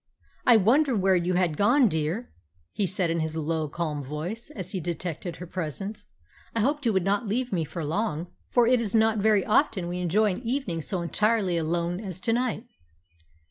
"I wondered where you had gone, dear," he said in his low, calm voice, as he detected her presence. "I hoped you would not leave me for long, for it is not very often we enjoy an evening so entirely alone as to night."